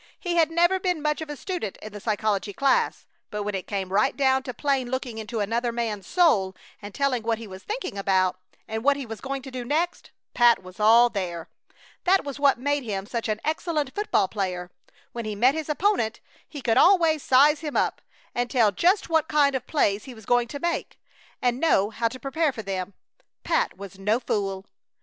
He had never been much of a student in the psychology class, but when it came right down to plain looking into another man's soul and telling what he was thinking about, and what he was going to do next, Pat was all there. That was what made him such an excellent football player. When he met his opponent he could always size him up and tell just about what kind of plays he was going to make, and know how to prepare for them. Pat was no fool.